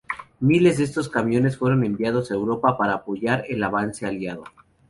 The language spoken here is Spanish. Miles de estos camiones fueron enviados a Europa para apoyar el avance Aliado.